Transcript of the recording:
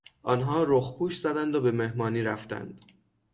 آنها رخپوش زدند و به مهمانی رفتند.